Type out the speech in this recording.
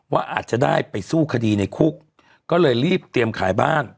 ว่าอาจจะได้ไปสู้คดีในคุกก็เลยรีบเตรียมขายบ้าน